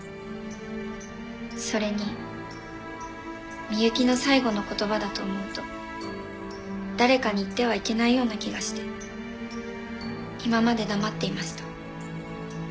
それに美雪の最後の言葉だと思うと誰かに言ってはいけないような気がして今まで黙っていました。